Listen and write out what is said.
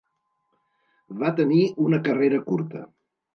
Va tenir una carrera curta.